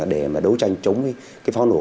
để đấu tranh chống pháo nổ